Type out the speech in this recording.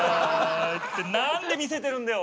って何で見せてるんだよ。